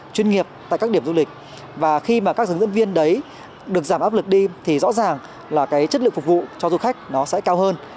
chuyên nghiệp tại các điểm du lịch và khi mà các hướng dẫn viên đấy được giảm áp lực đi thì rõ ràng là cái chất lượng phục vụ cho du khách nó sẽ cao hơn